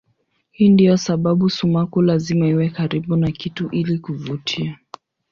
Hii ndiyo sababu sumaku lazima iwe karibu na kitu ili kuvutia.